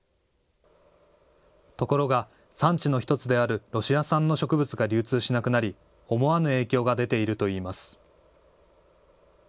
ところが産地の１つであるロシア産の植物が流通しなくなり思わぬ影響が出ているといいます。